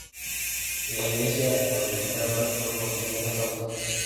La Iglesia anglicana lo considera santo.